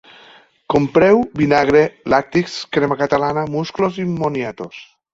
Compreu vinagre, lactis, crema catalana, musclos i moniatos